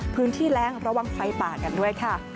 พื้นที่แรงระวังไฟป่ากันด้วยค่ะ